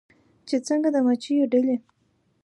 چې څنګه د مچېو ډلې